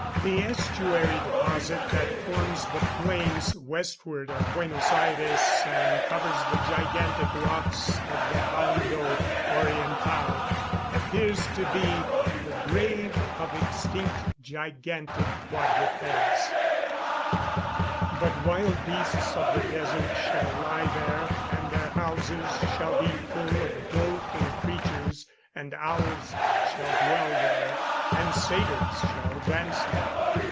The estuary deposit that forms the plains westward of Buenos Ayres, and covers the gigantic rocks of the Bando Oriental, appears to be the grave of extinct gigantic quadrupeds. [Verse: "But wild beasts of the desert shall lie there; and their houses shall be full of doleful creatures; and owls shall dwell there, and satyrs shall dance there."